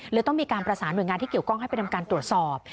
ต้องมีการประสานหน่วยงานที่เกี่ยวข้องให้ไปทำการตรวจสอบ